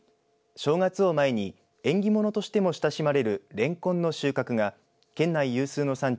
正月を前に縁起物としても親しまれるれんこんの収穫が県内有数の産地